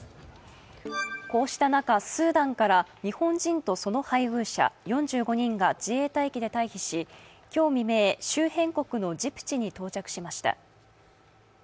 こうした中スーダンから日本人とその配偶者４５人が自衛隊機で退避し、今日未明、周辺国のジブチに到着しました。